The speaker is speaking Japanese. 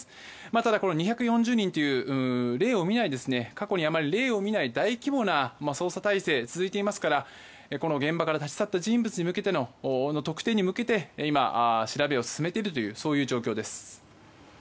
ただ、２４０人という過去にあまり例を見ない大規模な捜査態勢が続いていますから現場から立ち去った人物の特定に向けて今、調べを進めているという状況です。